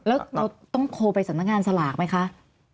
แล้วเราต้องโทรไปสำนักงานสลากไหมคะ